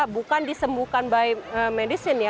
bukan disembuhkan by medicine